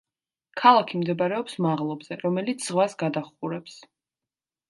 ქალაქი მდებარეობს მაღლობზე, რომელიც ზღვას გადაჰყურებს.